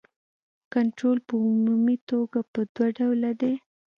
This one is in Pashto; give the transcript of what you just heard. کنټرول په عمومي توګه په دوه ډوله دی.